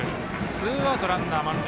ツーアウトランナー、満塁。